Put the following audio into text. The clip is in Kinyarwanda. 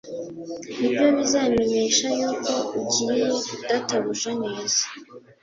ni byo bizamenyesha yuko ugiriye databuja neza